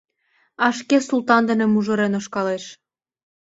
А шке Султан дене мужырын ошкылеш.